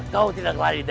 atau berebakan hidupmu